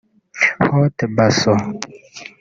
Haute Baso